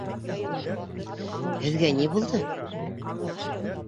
Һеҙгә ни булды?